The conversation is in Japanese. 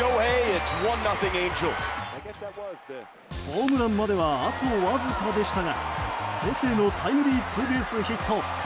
ホームランまではあとわずかでしたが先制のタイムリーツーベースヒット。